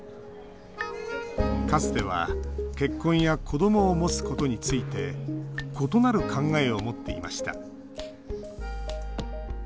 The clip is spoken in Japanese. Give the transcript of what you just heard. かつては、結婚や子どもを持つことについて異なる考えを持っていました。